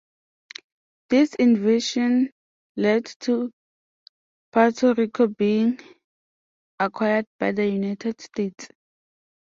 This invasion led to Puerto Rico being acquired by the United States.